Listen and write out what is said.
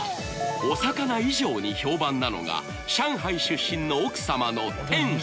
お魚以上に評判なのが上海出身の奥様の点心